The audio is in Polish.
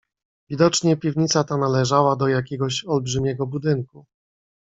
"Widocznie piwnica ta należała do jakiegoś olbrzymiego budynku."